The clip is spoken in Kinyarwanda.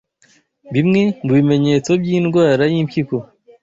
Bimwe mu bimenyetso by’indwara y’impyiko